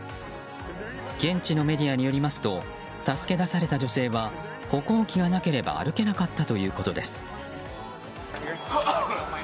現地のメディアによりますと助け出された女性は歩行器がなければ歩けなかったということです。